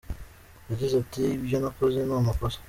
Yagize ati “Ibyo nakoze ni amakosa.